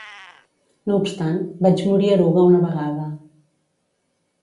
No obstant, vaig morir eruga una vegada.